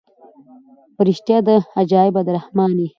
په ریشتیا چي عجایبه د رحمان یې